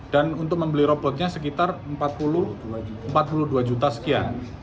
dan untuk membeli robotnya sekitar empat puluh dua juta sekian